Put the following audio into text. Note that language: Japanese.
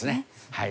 はい。